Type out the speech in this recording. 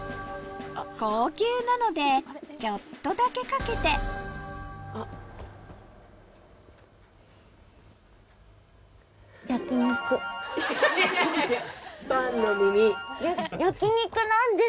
高級なのでちょっとだけかけていやいや。